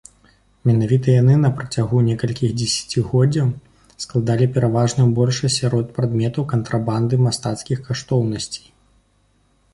Менавіта яны на працягу некалькіх дзесяцігоддзяў складалі пераважную большасць сярод прадметаў кантрабанды мастацкіх каштоўнасцей.